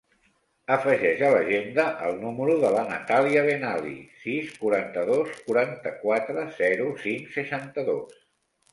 Afegeix a l'agenda el número de la Natàlia Benali: sis, quaranta-dos, quaranta-quatre, zero, cinc, seixanta-dos.